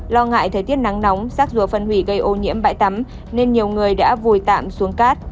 lo ngại thời tiết nắng nóng rác rùa phân hủy gây ô nhiễm bãi tắm nên nhiều người đã vùi tạm xuống cát